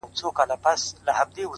هوښیار انسان له تېروتنو زده کړه کوي,